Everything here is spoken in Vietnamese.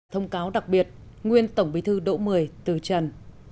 thông cáo đặc biệt nguyên tổng bí thư đỗ mười từ trần